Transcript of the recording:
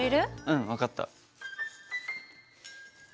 うん分かった。